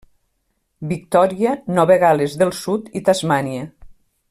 Victòria, Nova Gal·les del Sud i Tasmània.